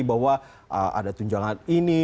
bahwa ada tunjangan ini